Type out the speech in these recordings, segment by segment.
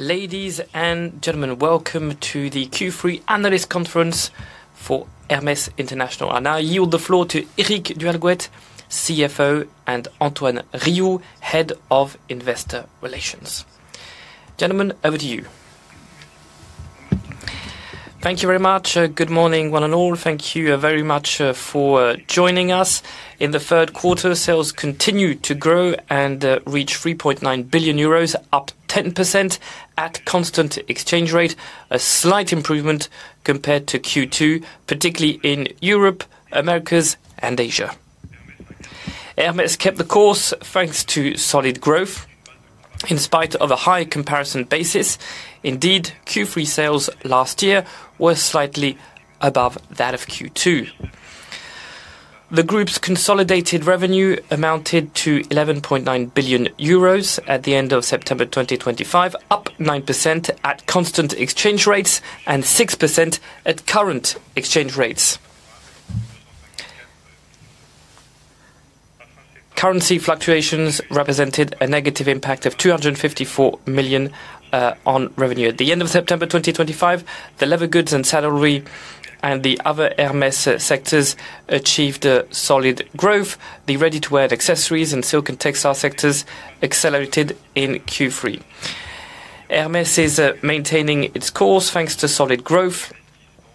Ladies and gentlemen, welcome to the Q3 analyst conference for Hermès International. I now yield the floor to Eric du Halgouët, CFO, and Antoine Riou, Head of Investor Relations. Gentlemen, over to you. Thank you very much. Good morning, one and all. Thank you very much for joining us. In the third quarter, sales continued to grow and reached 3.9 billion euros, up 10% at a constant exchange rate, a slight improvement compared to Q2, particularly in Europe, the Americas, and Asia. Hermès kept the course, thanks to solid growth in spite of a high comparison basis. Indeed, Q3 sales last year were slightly above that of Q2. The group's consolidated revenue amounted to 11.9 billion euros at the end of September 2025, up 9% at constant exchange rates and 6% at current exchange rates. Currency fluctuations represented a negative impact of 254 million on revenue. At the end of September 2025, the leather goods and salaries and the other Hermès sectors achieved solid growth. The ready-to-wear, accessories, and silk and textile sectors accelerated in Q3. Hermès is maintaining its course thanks to solid growth,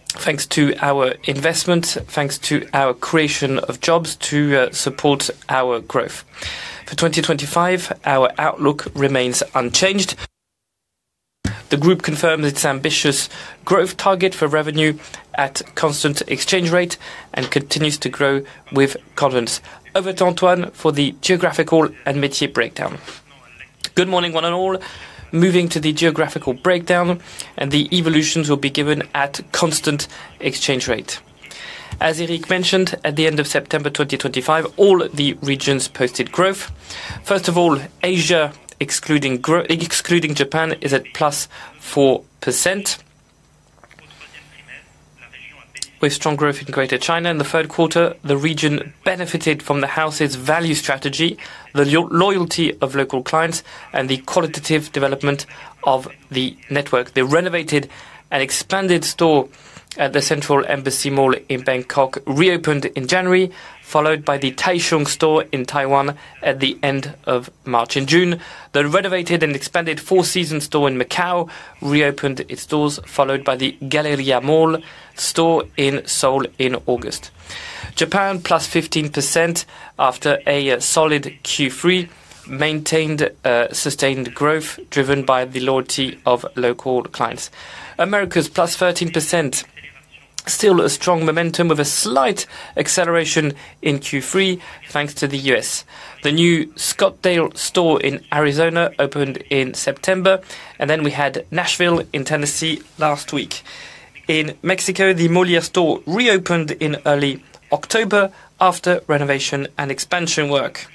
thanks to our investments, and thanks to our creation of jobs to support our growth. For 2025, our outlook remains unchanged. The group confirms its ambitious growth target for revenue at a constant exchange rate and continues to grow with confidence. Over to Antoine for the geographical and métier breakdown. Good morning, one and all. Moving to the geographical breakdown and the evolutions will be given at a constant exchange rate. As Eric mentioned, at the end of September 2025, all the regions posted growth. First of all, Asia, excluding Japan, is at +4%. With strong growth in Greater China in the third quarter, the region benefited from the House's value strategy, the loyalty of local clients, and the qualitative development of the network. The renovated and expanded store at the Central Embassy Mall in Bangkok reopened in January, followed by the Taichung store in Taiwan at the end of March and June. The renovated and expanded Four Seasons store in Macau reopened its doors, followed by the Galleria Mall store in Seoul in August. Japan, +15% after a solid Q3, maintained sustained growth driven by the loyalty of local clients. The Americas, +13%. Still a strong momentum with a slight acceleration in Q3, thanks to the U.S. The new Scottsdale store in Arizona opened in September, and then we had Nashville in Tennessee last week. In Mexico, the Molier store reopened in early October after renovation and expansion work.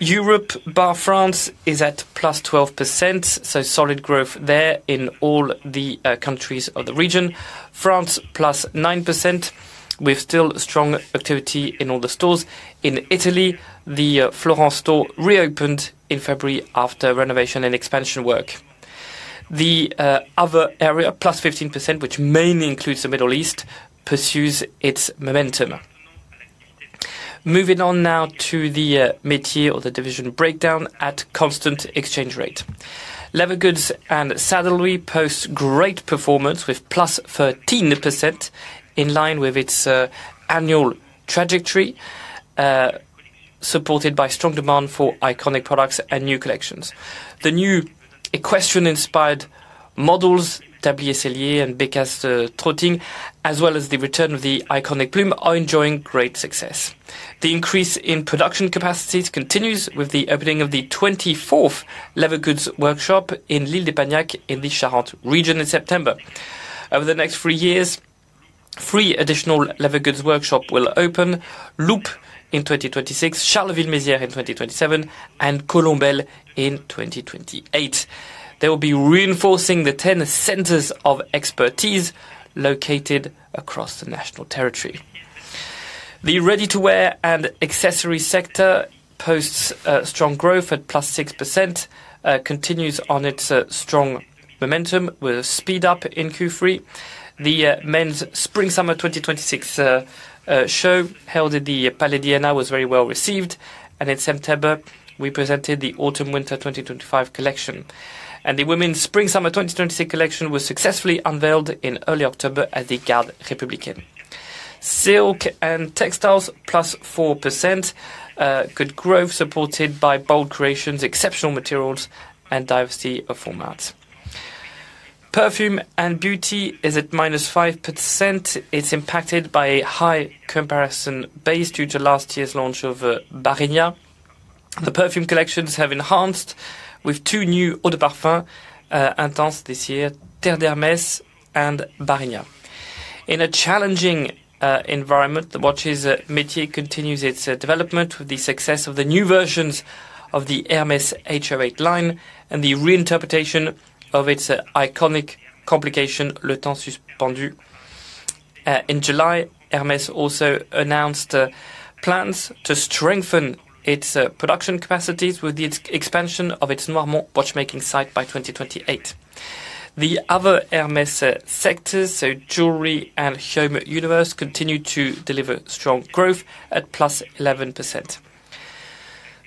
Europe, bar France, is at +12%, so solid growth there in all the countries of the region. France, +9%, with still strong activity in all the stores. In Italy, the Florence store reopened in February after renovation and expansion work. The other area, +15%, which mainly includes the Middle East, pursues its momentum. Moving on now to the métiers or the division breakdown at a constant exchange rate. Leather goods and saddlery post great performance with +13% in line with its annual trajectory, supported by strong demand for iconic products and new collections. The new Equestrian-inspired models, Tablier Sellier and [Bécasse] Trotting, as well as the return of the iconic Plume, are enjoying great success. The increase in production capacities continues with the opening of the 24th leather goods workshop in l'Île de Bagnac in the Charente region in September. Over the next three years, three additional leather goods workshops will open: Loop in 2026, Charleville-Mézières in 2027, and Colombeyles in 2028. They will be reinforcing the 10 centers of expertise located across the national territory. The ready-to-wear and accessories sector posts strong growth at +6%, continues on its strong momentum with a speed-up in Q3. The men's Spring-Summer 2026 show held at the Palais d'Iéna was very well received. In September, we presented the Autumn-Winter 2025 collection. The women's Spring-Summer 2026 collection was successfully unveiled in early October at the Garde Républicaine. Silk and textiles, +4%. Good growth supported by bold creations, exceptional materials, and a diversity of formats. Perfume and beauty is at -5%. It's impacted by a high comparison base due to last year's launch of Barrina. The perfume collections have enhanced with two new eau de parfum entrants this year: Terre d’Hermès and Barrina. In a challenging environment, the watches métier continues its development with the success of the new versions of the Hermès H08 line and the reinterpretation of its iconic complication, Le Temps Suspendu. In July, Hermès also announced plans to strengthen its production capacities with the expansion of its Noirmont watchmaking site by 2028. The other Hermès sectors, so jewelry and home universe, continue to deliver strong growth at +11%.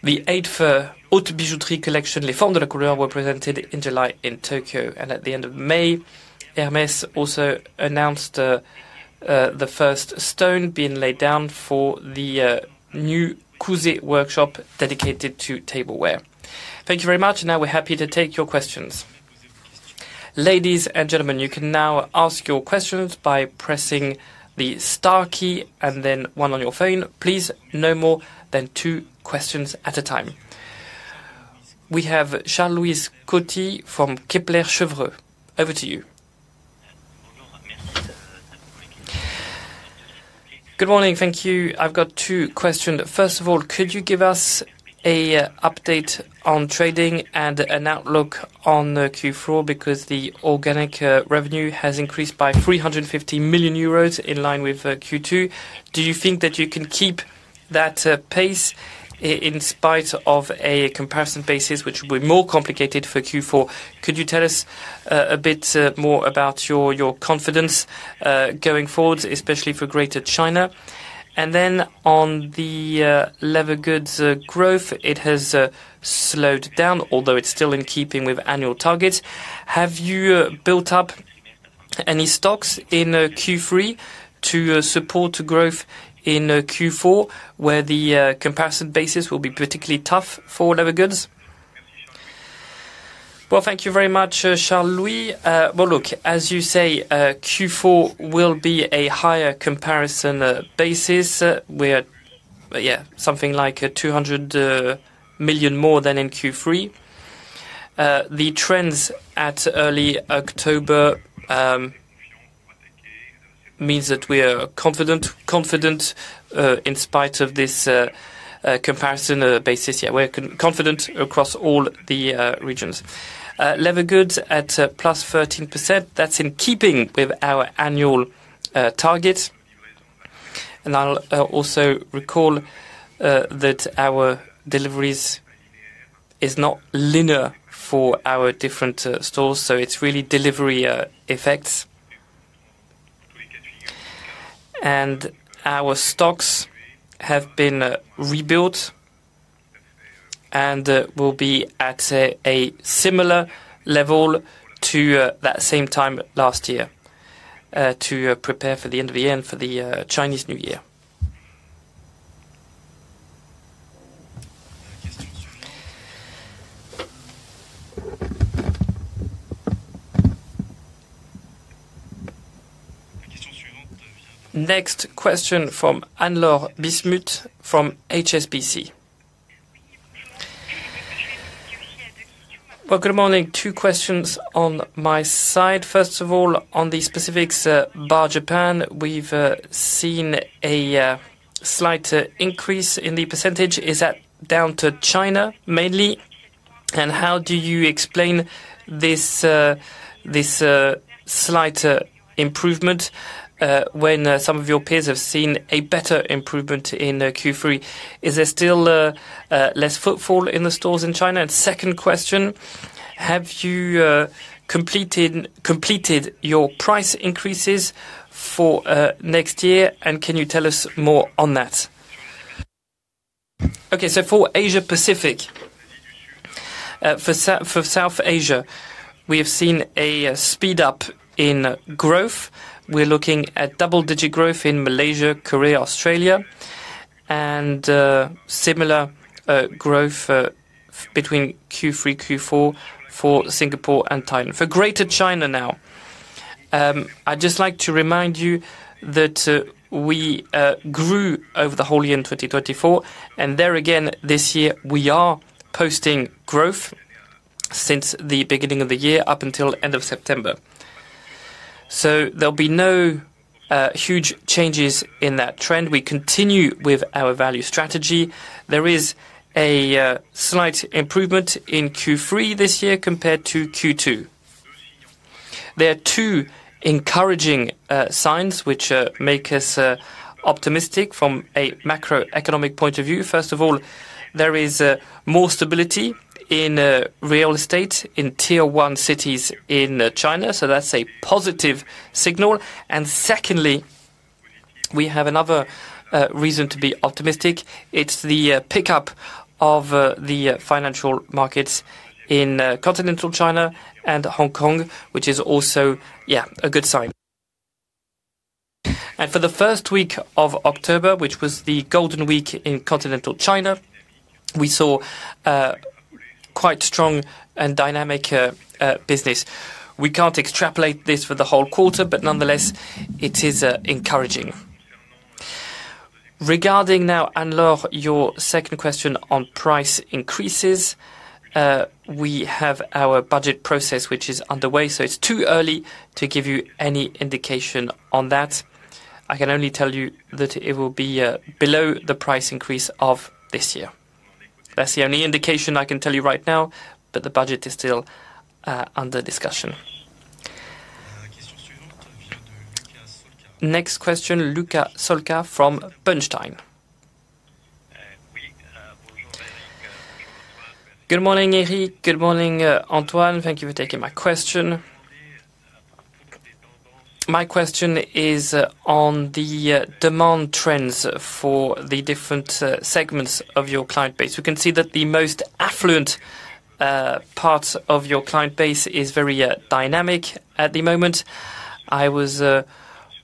The eighth for haute bijouterie collection, Les Formes de la Couleur, were presented in July in Tokyo, and at the end of May, Hermès also announced the first stone being laid down for the new Cousé workshop dedicated to tableware. Thank you very much, and now we're happy to take your questions. Ladies and gentlemen, you can now ask your questions by pressing the star key and then one on your phone. Please, no more than two questions at a time. We have Charles Scotti from Kepler Cheuvreux. Over to you. Good morning. Thank you. I've got two questions. First of all, could you give us an update on trading and an outlook on Q4 because the organic revenue has increased by 350 million euros in line with Q2? Do you think that you can keep that pace in spite of a comparison basis which will be more complicated for Q4? Could you tell us a bit more about your confidence going forward, especially for Greater China? On the leather goods growth, it has slowed down, although it's still in keeping with annual targets. Have you built up any stocks in Q3 to support growth in Q4 where the comparison basis will be particularly tough for leather goods? Thank you very much, Charles-Louis. As you say, Q4 will be a higher comparison basis. We're at something like $200 million more than in Q3. The trends at early October mean that we are confident in spite of this comparison basis. We're confident across all the regions. Leather goods at +13% is in keeping with our annual target. I'll also recall that our deliveries are not linear for our different stores, so it's really delivery effects. Our stocks have been rebuilt and will be at a similar level to that same time last year to prepare for the end of the year and for the Chinese New Year. Next question from Anne-Laure Bismuth from HSBC. Good morning. Two questions on my side. First of all, on the specifics bar Japan, we've seen a slight increase in the percentage. Is that down to China mainly? How do you explain this slight improvement when some of your peers have seen a better improvement in Q3? Is there still less footfall in the stores in China? Second question, have you completed your price increases for next year and can you tell us more on that? Okay, so for Asia-Pacific, for South Asia, we have seen a speed-up in growth. We're looking at double-digit growth in Malaysia, Korea, Australia, and similar growth between Q3, Q4 for Singapore and Thailand. For Greater China now, I'd just like to remind you that we grew over the whole year in 2024, and there again, this year we are posting growth since the beginning of the year up until the end of September. There'll be no huge changes in that trend. We continue with our value strategy. There is a slight improvement in Q3 this year compared to Q2. There are two encouraging signs which make us optimistic from a macroeconomic point of view. First of all, there is more stability in real estate in tier-one cities in China, so that's a positive signal. Secondly, we have another reason to be optimistic. It's the pickup of the financial markets in continental China and Hong Kong, which is also, yeah, a good sign. For the first week of October, which was the Golden Week in continental China, we saw quite strong and dynamic business. We can't extrapolate this for the whole quarter, but nonetheless, it is encouraging. Regarding now, Anne-Laure, your second question on price increases, we have our budget process which is underway, so it's too early to give you any indication on that. I can only tell you that it will be below the price increase of this year. That's the only indication I can tell you right now, but the budget is still under discussion. Next question, Luca Solca from Bernstein. Good morning, Eric. Good morning, Antoine. Thank you for taking my question. My question is on the demand trends for the different segments of your client base. We can see that the most affluent part of your client base is very dynamic at the moment. I was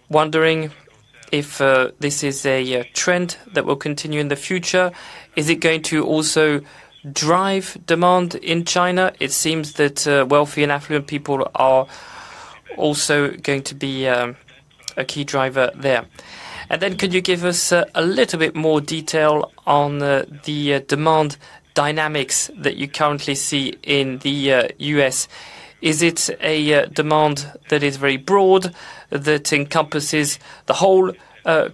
wondering if this is a trend that will continue in the future. Is it going to also drive demand in China? It seems that wealthy and affluent people are also going to be a key driver there. Could you give us a little bit more detail on the demand dynamics that you currently see in the U.S.? Is it a demand that is very broad, that encompasses the whole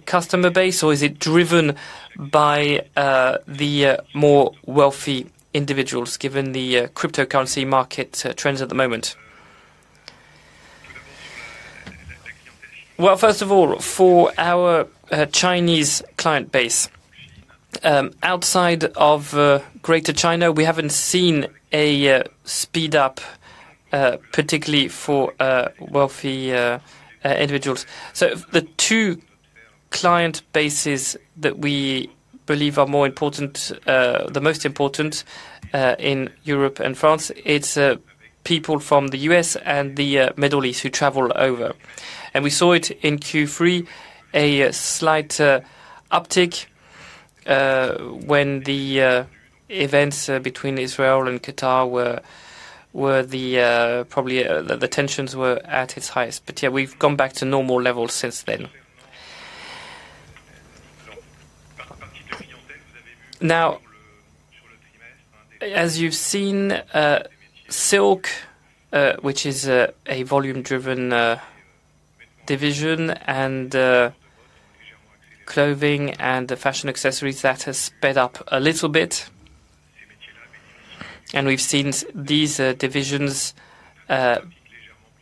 customer base, or is it driven by the more wealthy individuals given the cryptocurrency market trends at the moment? First of all, for our Chinese client base, outside of Greater China, we haven't seen a speed-up, particularly for wealthy individuals. The two client bases that we believe are the most important in Europe and France are people from the U.S. and the Middle East who travel over. We saw it in Q3, a slight uptick when the events between Israel and Qatar, when the tensions were at their highest. We've gone back to normal levels since then. As you've seen, silk, which is a volume-driven division, and clothing and fashion accessories have sped up a little bit. We've seen these divisions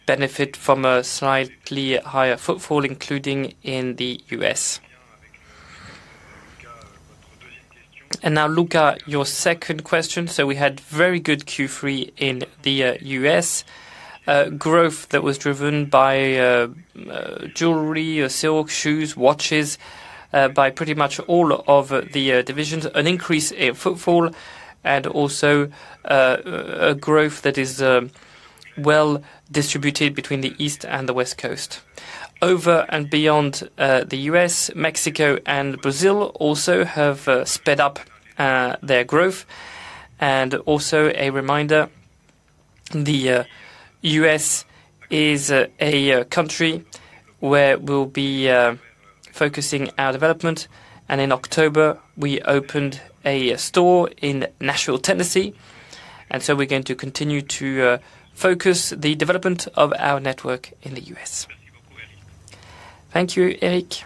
benefit from a slightly higher footfall, including in the U.S. Luca, your second question. We had a very good Q3 in the U.S., growth that was driven by jewelry, silk, shoes, watches, by pretty much all of the divisions, an increase in footfall, and also a growth that is well distributed between the East and the West Coast. Over and beyond the U.S., Mexico and Brazil also have sped up their growth. Also, a reminder, the U.S. is a country where we'll be focusing our development. In October, we opened a store in Nashville, Tennessee. We're going to continue to focus the development of our network in the U.S. Thank you, Eric.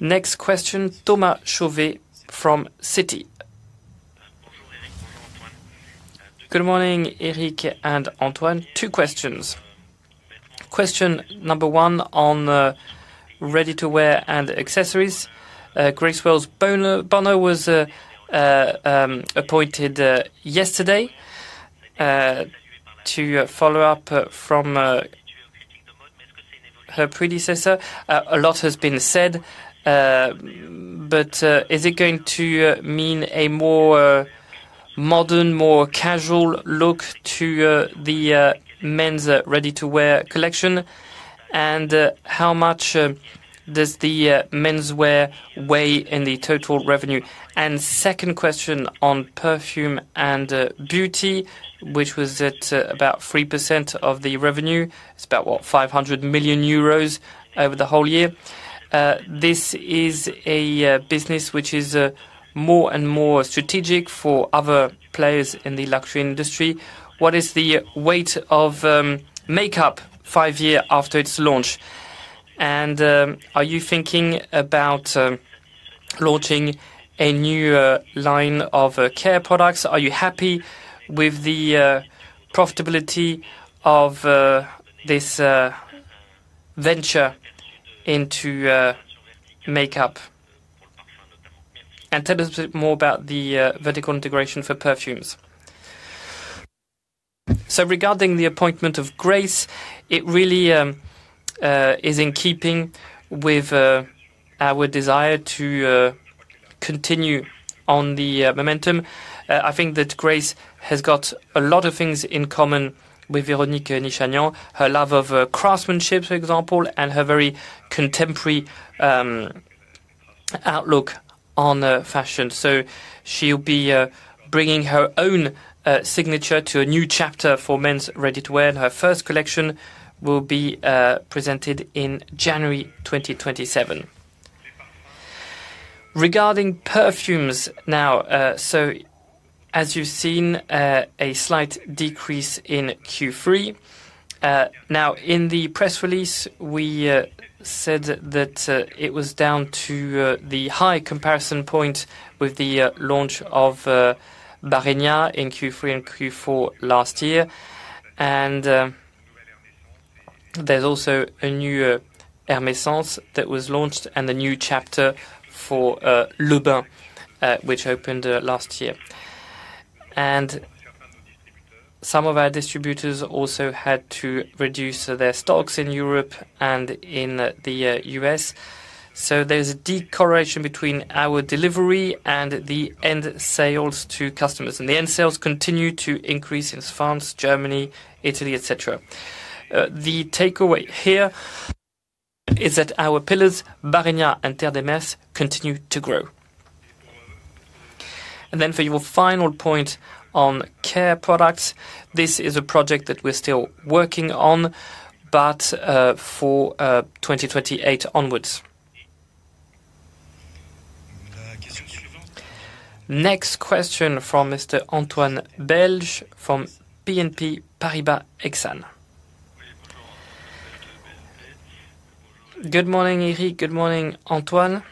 Next question, Thomas Chauvet from Citigroup Inc. Bonjour, Eric. Bonjour, Antoine. Good morning, Eric and Antoine. Two questions. Question number one on ready-to-wear and accessories. Grace Wales Bonner was appointed yesterday to follow up from her predecessor. A lot has been said, but is it going to mean a more modern, more casual look to the men's ready-to-wear collection? How much does the menswear weigh in the total revenue? Second question on perfume and beauty, which was at about 3% of the revenue. It's about 500 million euros over the whole year. This is a business which is more and more strategic for other players in the luxury industry. What is the weight of makeup five years after its launch? Are you thinking about launching a new line of care products? Are you happy with the profitability of this venture into makeup? Tell us a bit more about the vertical integration for perfumes. Regarding the appointment of Grace, it really is in keeping with our desire to continue on the momentum. I think that Grace has got a lot of things in common with Véronique Nichanian, her love of craftsmanship, for example, and her very contemporary outlook on fashion. She'll be bringing her own signature to a new chapter for men's ready-to-wear, and her first collection will be presented in January 2027. Regarding perfumes now, as you've seen, a slight decrease in Q3. In the press release, we said that it was down to the high comparison point with the launch of Barrina in Q3 and Q4 last year. There's also a new Hermès that was launched and a new chapter for Le Bain, which opened last year. Some of our distributors also had to reduce their stocks in Europe and in the U.S. There's a deceleration between our delivery and the end sales to customers. The end sales continue to increase in France, Germany, Italy, etc. The takeaway here is that our pillars, Barrina and Terre d’Hermès, continue to grow. For your final point on care products, this is a project that we're still working on, but for 2028 onwards. Next question from Mr. Antoine Belge from BNP Paribas Exane. Good morning, Eric. Good morning, Antoine.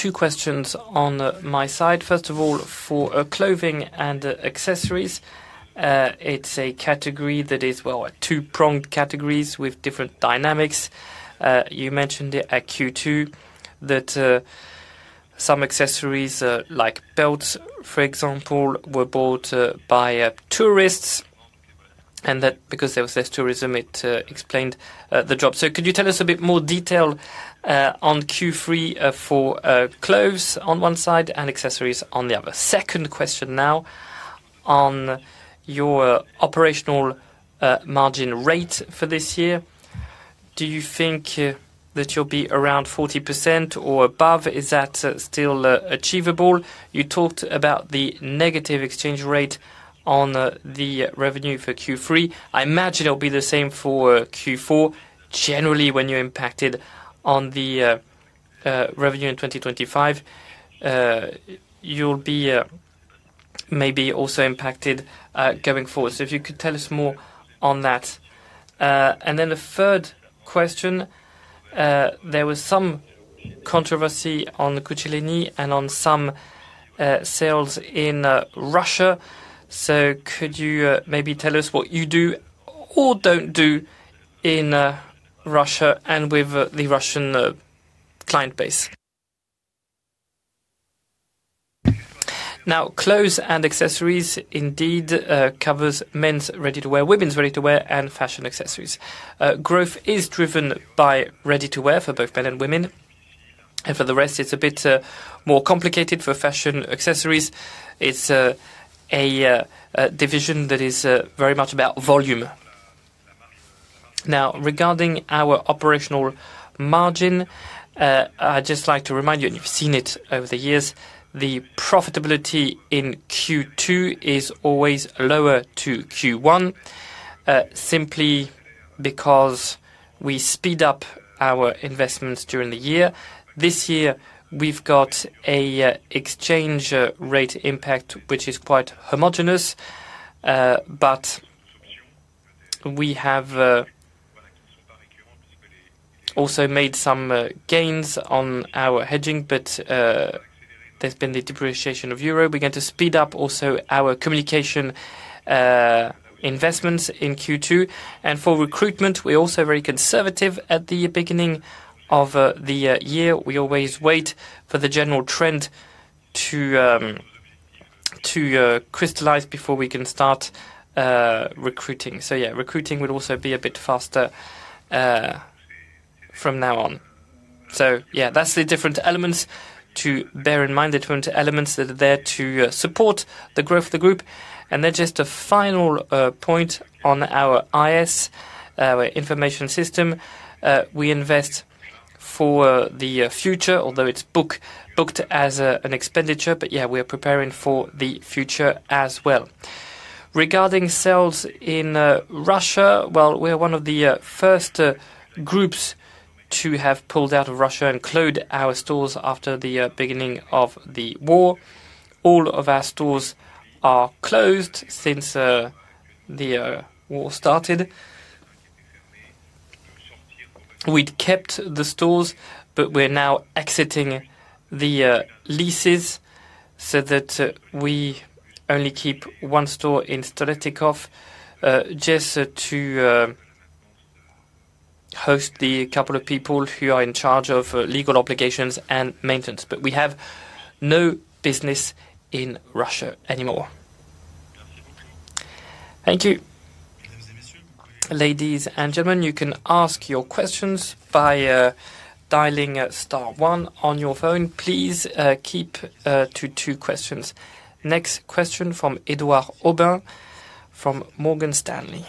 Two questions on my side. First of all, for clothing and accessories, it's a category that is, well, two-pronged categories with different dynamics. You mentioned at Q2 that some accessories, like belts, for example, were bought by tourists, and that because there was less tourism, it explained the job. Could you tell us a bit more detail on Q3 for clothes on one side and accessories on the other? Second question now on your operational margin rate for this year. Do you think that you'll be around 40% or above? Is that still achievable? You talked about the negative exchange rate on the revenue for Q3. I imagine it'll be the same for Q4. Generally, when you're impacted on the revenue in 2025, you'll be maybe also impacted going forward. If you could tell us more on that. Then the third question, there was some controversy on the Kuchelini and on some sales in Russia. Could you maybe tell us what you do or don't do in Russia and with the Russian client base? Now, clothes and accessories indeed cover men's ready-to-wear, women's ready-to-wear, and fashion accessories. Growth is driven by ready-to-wear for both men and women. For the rest, it's a bit more complicated for fashion accessories. It's a division that is very much about volume. Now, regarding our operational margin, I'd just like to remind you, and you've seen it over the years, the profitability in Q2 is always lower to Q1 simply because we speed up our investments during the year. This year, we've got an exchange rate impact which is quite homogeneous, but we have also made some gains on our hedging, but there's been the depreciation of euro. We're going to speed up also our communication investments in Q2. For recruitment, we're also very conservative at the beginning of the year. We always wait for the general trend to crystallize before we can start recruiting. Recruiting will also be a bit faster from now on. That's the different elements to bear in mind, the different elements that are there to support the growth of the group. Just a final point on our IS, our information system. We invest for the future, although it's booked as an expenditure, but we are preparing for the future as well. Regarding sales in Russia, we are one of the first groups to have pulled out of Russia and closed our stores after the beginning of the war. All of our stores are closed since the war started. We'd kept the stores, but we're now exiting the leases so that we only keep one store in Stoletikov just to host the couple of people who are in charge of legal obligations and maintenance. We have no business in Russia anymore. Thank you. Ladies and gentlemen, you can ask your questions by dialing star one on your phone. Please keep to two questions. Next question from Édouard Aubin from Morgan Stanley.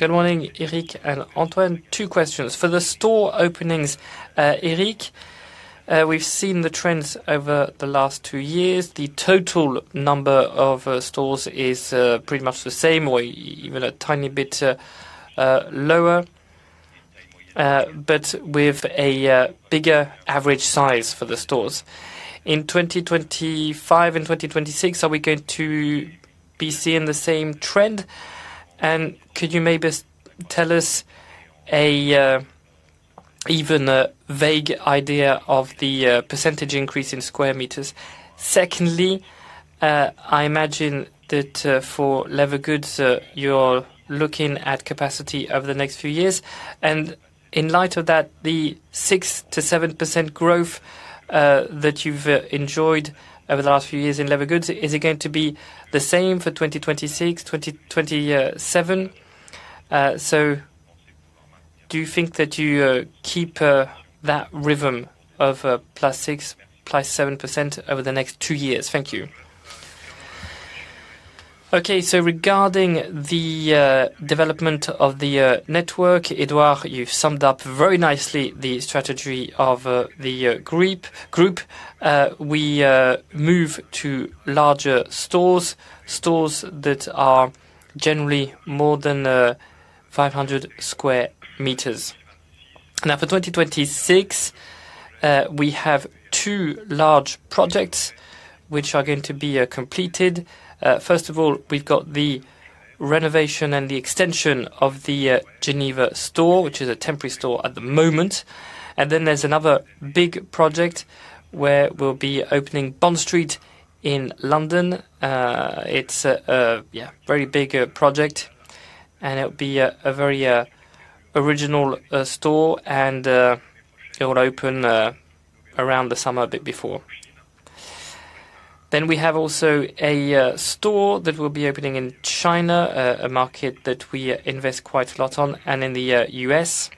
Good morning, Eric and Antoine. Good morning, Eric and Antoine. Two questions. For the store openings, Eric, we've seen the trends over the last two years. The total number of stores is pretty much the same or even a tiny bit lower, but with a bigger average size for the stores. In 2025 and 2026, are we going to be seeing the same trend? Could you maybe tell us an even vague idea of the percentage increase in square meters? Secondly, I imagine that for leather goods, you're looking at capacity over the next few years. In light of that, the 6%-7% growth that you've enjoyed over the last few years in leather goods, is it going to be the same for 2026, 2027? Do you think that you keep that rhythm of +6%, +7% over the next two years? Thank you. Okay, regarding the development of the network, Édouard, you've summed up very nicely the strategy of the group. We move to larger stores, stores that are generally more than 500 sq m. For 2026, we have two large projects which are going to be completed. First of all, we've got the renovation and the extension of the Geneva store, which is a temporary store at the moment. There's another big project where we'll be opening Bond Street in London. It's a very big project, and it'll be a very original store, and it'll open around the summer, a bit before. We also have a store that will be opening in China, a market that we invest quite a lot on, and in the U.S.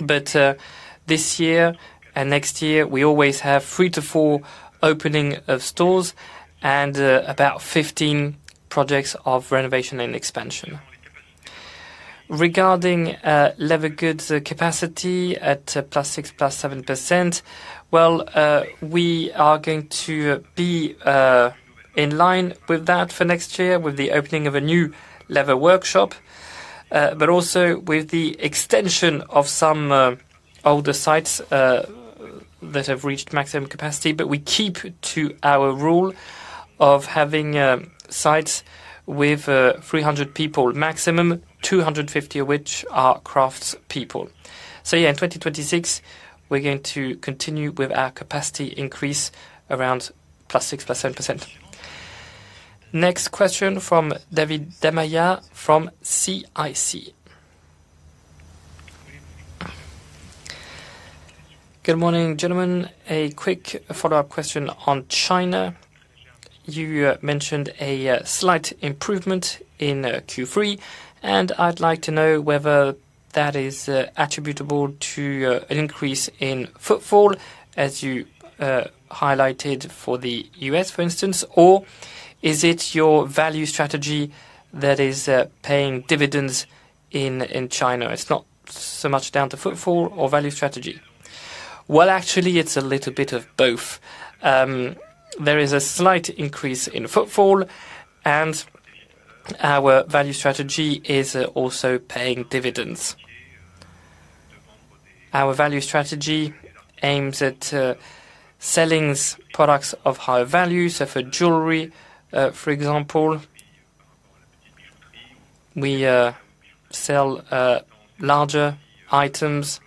This year and next year, we always have three to four openings of stores and about 15 projects of renovation and expansion. Regarding leather goods capacity at +6%, +7%, we are going to be in line with that for next year with the opening of a new leather goods workshop, but also with the extension of some older sites that have reached maximum capacity. We keep to our rule of having sites with 300 people maximum, 250 of which are craftspeople. In 2026, we're going to continue with our capacity increase around +6%, +7%. Next question from [David Demaya from CIC]. Good morning, gentlemen. A quick follow-up question on China. You mentioned a slight improvement in Q3, and I'd like to know whether that is attributable to an increase in footfall, as you highlighted for the U.S., for instance, or is it your value strategy that is paying dividends in China? It's not so much down to footfall or value strategy. Actually, it's a little bit of both. There is a slight increase in footfall, and our value strategy is also paying dividends. Our value strategy aims at selling products of higher value. For jewelry, for example, we sell larger items.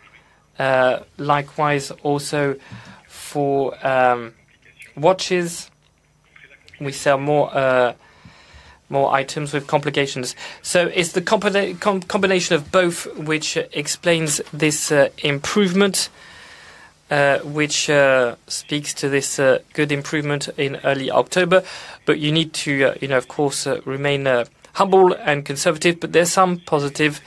Likewise, for watches, we sell more items with complications. It is the combination of both which explains this improvement, which speaks to this good improvement in early October. You need to, of course, remain humble and conservative. There are some positive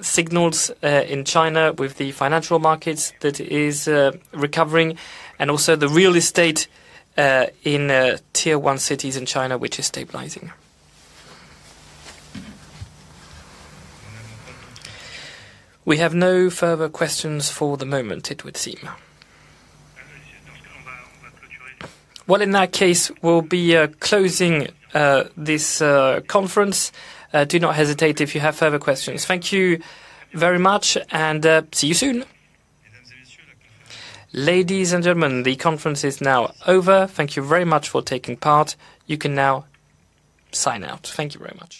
signals in China with the financial markets that are recovering, and also the real estate in tier-one cities in China, which is stabilizing. We have no further questions for the moment, it would seem. In that case, we'll be closing this conference. Do not hesitate if you have further questions. Thank you very much, and see you soon. Ladies and gentlemen, the conference is now over. Thank you very much for taking part. You can now sign out. Thank you very much.